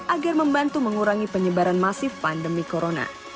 agar membantu mengurangi penyebaran masif pandemi corona